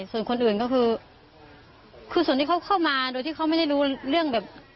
ส่วนคนอื่นก็คือคือส่วนที่เขาเข้ามาโดยที่เขาไม่ได้รู้เรื่องแบบ